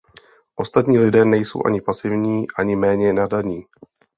Ostatní lidé nejsou ani pasivní, ani méně nadaní.